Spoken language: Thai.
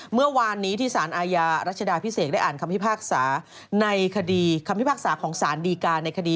เมื่อวานนี้ที่สารอาญารัชดาพิเศษได้อ่านคำพิพากษาของสารดีการในคดี